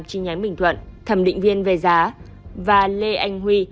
chi nhánh bình thuận thẩm định viên về giá và lê anh huy